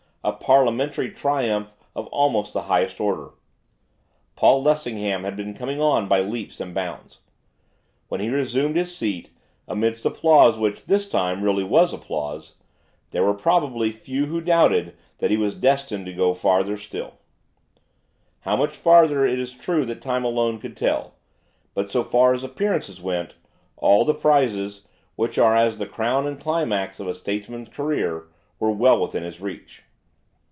A parliamentary triumph of almost the highest order. Paul Lessingham had been coming on by leaps and bounds. When he resumed his seat, amidst applause which, this time, really was applause, there were, probably, few who doubted that he was destined to go still farther. How much farther it is true that time alone could tell; but, so far as appearances went, all the prizes, which are as the crown and climax of a statesman's career, were well within his reach.